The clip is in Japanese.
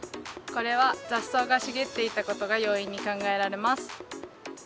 これは雑草が茂っていたことが要因に考えられます。